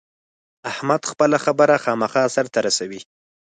احمد خپله خبره خامخا سر ته رسوي.